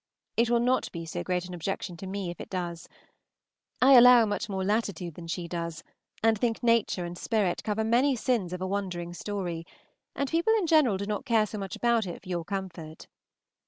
It will not be so great an objection to me if it does. I allow much more latitude than she does, and think Nature and spirit cover many sins of a wandering story, and people in general do not care so much about it for your comfort.